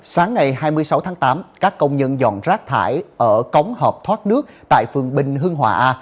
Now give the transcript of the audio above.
sáng nay hai mươi sáu tháng tám các công nhân dọn rác thải ở cống hộp thoát nước tại phường bình hương hòa a